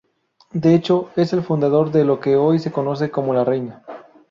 De hecho, es el fundador de lo que hoy se conoce como La Reina.